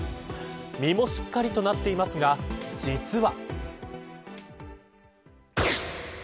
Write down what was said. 実もしっかりとなっていますが実は。